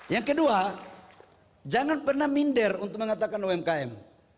yang kedua jangan pernah minder untuk mengatakan umkm